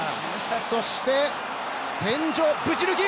そして、天井ぶち抜き！